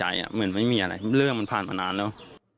เหมือนไม่มีอะไรเรื่องมันผ่านมานานแล้ว